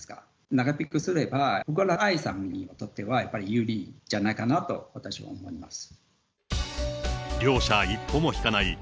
長引けば、福原愛さんにとってはやっぱり有利じゃないかなと私は思います。